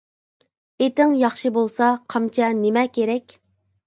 ئېتىڭ ياخشى بولسا، قامچا نېمە كېرەك.